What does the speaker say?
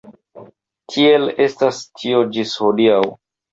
Tiel estas tio ĝis hodiaŭ.